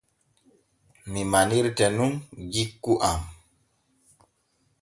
Mi manirte nun jikku am.